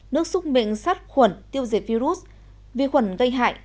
nước xúc miệng sát khuẩn tiêu diệt virus vi khuẩn gây hại